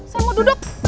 saya mau duduk